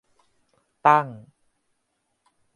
ตั้ง